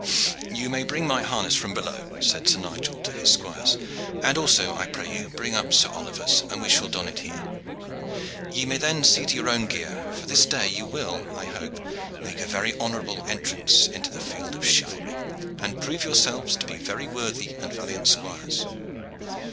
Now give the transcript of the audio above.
"You may bring my harness from below," said Sir Nigel to his squires, "and also, I pray you, bring up Sir Oliver's and we shall don it here. Ye may then see to your own gear; for this day you will, I hope, make a very honorable entrance into the field of chivalry, and prove yourselves to be very worthy and valiant squires.